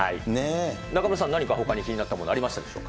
中丸さん、何かほかに気になったもの、ありましたか？